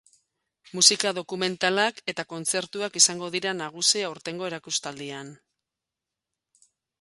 Musika dokumentalak eta kontzertuak izango dira nagusi aurtengo erakustaldian.